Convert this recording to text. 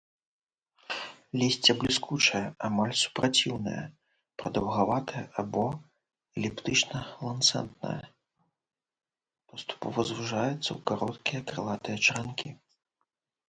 Лісце бліскучае, амаль супраціўнае, прадаўгаватае або эліптычна-ланцэтнае, паступова звужаецца ў кароткія крылатыя чаранкі.